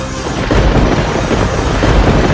toh pak rai